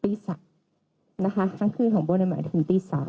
ตีสักนะคะทั้งคืนของโบเนี่ยหมายถึงตีสาม